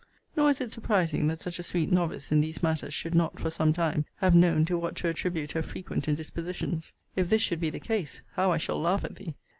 Nor is it surprising, that such a sweet novice in these matters should not, for some time, have known to what to attribute her frequent indispositions. If this should be the case, how I shall laugh at thee!